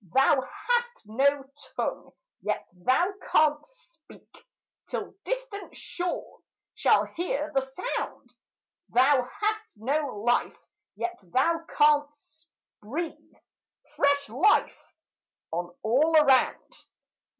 Thou hast no tongue, yet thou canst speak, Till distant shores shall hear the sound; Thou hast no life, yet thou canst breathe Fresh life on all around.